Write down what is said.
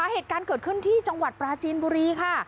เหตุการณ์เกิดขึ้นที่จังหวัดปราจีนบุรีค่ะ